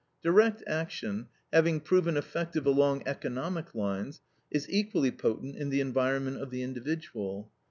Direct action, having proven effective along economic lines, is equally potent in the environment of the individual.